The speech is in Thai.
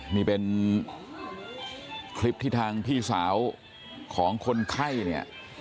นี่เป็นคลิปที่ทางพี่สาวของคนไข้เนี่ย